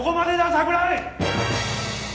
桜井！